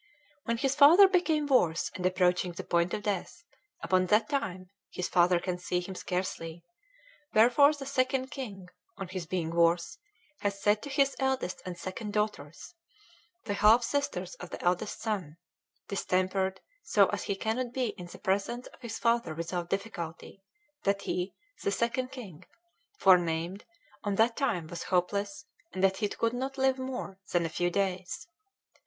"When his father became worse and approaching the point of death, upon that time his father can see him scarcely; wherefore the Second King, on his being worse, has said to his eldest and second daughters, the half sisters of the eldest son, distempered so as he cannot be in the presence of his father without difficulty, that he (the Second King) forenamed on that time was hopeless and that he could not live more than a few days.